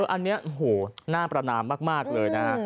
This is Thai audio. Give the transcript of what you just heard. อันนี้โหน่าประนามมากเลยนะฮะ